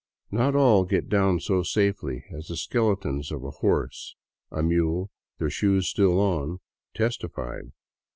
Not all get down so safely, as the skeletons of a horse and a mule, their shoes still on, testified.